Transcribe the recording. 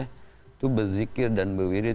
itu berzikir dan berwirit